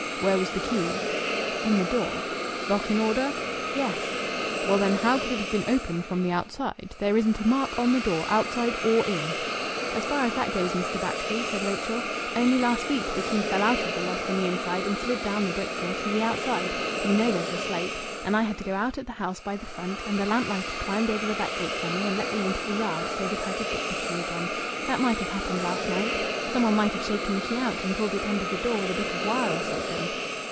"Where was the key?" "In the door." "Lock in order?" "Yes." "Well, then, how could it have been opened from the outside? There isn't a mark on the door, outside or in." "As far as that goes, Mr. Batchgrew," said Rachel, "only last week the key fell out of the lock on the inside and slid down the brick floor to the outside you know there's a slope. And I had to go out of the house by the front and the lamplighter climbed over the back gate for me and let me into the yard so that I could get the key again. That might have happened last night. Some one might have shaken the key out, and pulled it under the door with a bit of wire or something."